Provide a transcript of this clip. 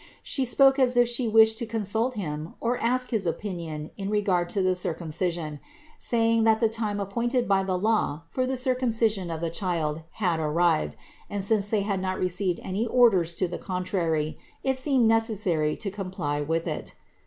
She spoke as if She wished to consult Him or ask his opinion in regard to the Cir cumcision, saying that the time appointed by law for thcv Circumcision of the Child had arrived and since they had not received any orders to the contrary, it seemed necessary to comply with it.